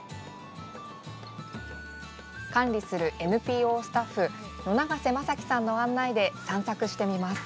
管理するＮＰＯスタッフ野長瀬雅樹さんの案内で散策してみます。